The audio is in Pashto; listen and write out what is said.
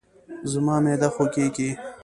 زما معده خوږیږي